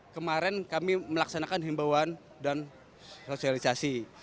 kemarin kami melaksanakan himbauan dan sosialisasi